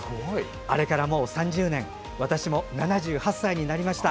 あれからもう３０年私も７８歳になってしまいました。